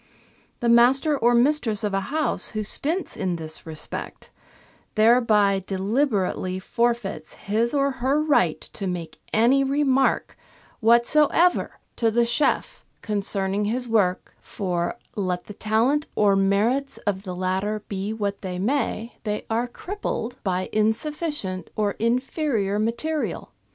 The master or mistress of a house who stints in this respect thereby deliberately forfeits his or her right to make any remark B 2 GUIDE TO MODERN COOKERY whatsoever to the chef concerning his work, for, let the talent or merits of the latter be what they may, they are crippled by insufficient or inferior material.